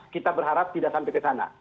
kita berharap tidak sampai ke sana